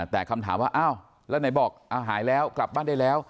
แต่คำถามว่าอ้าวแล้วไหนบอกหายแล้วกลับบ้านได้แล้ว